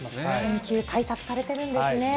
研究対策、されてるんですね。